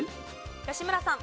吉村さん。